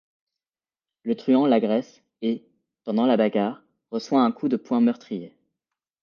Le truand l'agresse et, pendant la bagarre, reçoit un coup de poing meurtrier.